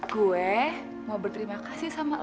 gue mau berterima kasih sama allah